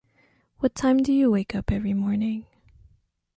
What time do you wake up every morning?